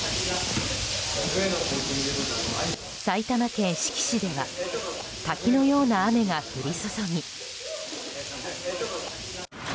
埼玉県志木市では滝のような雨が降り注ぎ。